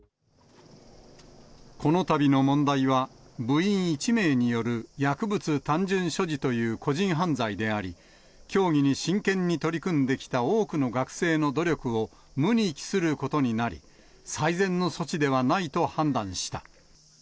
このたびの問題は、部員１名による薬物単純所持という個人犯罪であり、競技に真剣に取り組んできた多くの学生の努力を無に帰することになり、最善の措置ではないと判断した。